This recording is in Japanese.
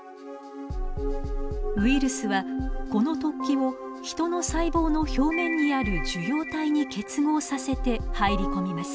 ウイルスはこの突起をヒトの細胞の表面にある受容体に結合させて入り込みます。